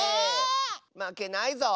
まけないぞ！